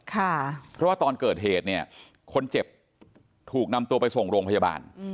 เพราะว่าตอนเกิดเหตุเนี่ยคนเจ็บถูกนำตัวไปส่งโรงพยาบาล